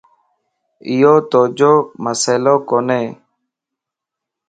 ايو توجو مسئلو ڪوني